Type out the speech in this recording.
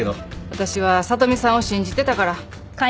私は聡美さんを信じてたから。